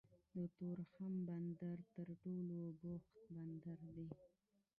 د تورخم بندر تر ټولو بوخت بندر دی